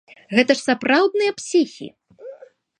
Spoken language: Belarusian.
Гэта ж сапраўдныя псіхі!